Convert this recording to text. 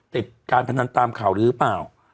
ติดการพนันตามข่าวหรือเปล่า